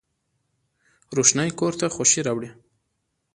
روښنايي کور ته خوښي راوړي